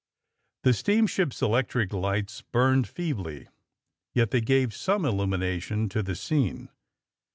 The steamship's electric lights burned feebly, yet they gave some illumination to the scene.